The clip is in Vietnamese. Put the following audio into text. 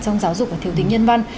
trong giáo dục và thiếu tính nhân văn